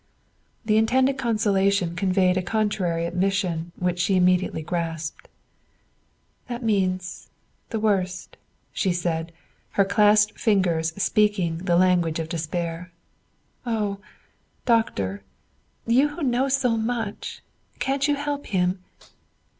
The intended consolation conveyed a contrary admission which she immediately grasped. "That means the worst," she said, her clasped fingers speaking the language of despair. "Oh, Doctor, you who know so much, can't you help him?